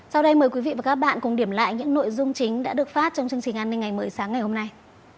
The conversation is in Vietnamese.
sau đây mời quý vị và các bạn cùng điểm lại những nội dung chính đã được phát trong chương trình an ninh ngày mới sáng ngày hôm nay